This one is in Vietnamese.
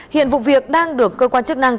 hiện vụ việc đang được cơ quan chức năng